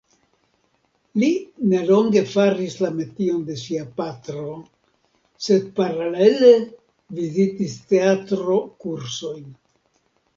Li nelonge faris la metion de sia patro sed paralele vizitis teatro-kursojn.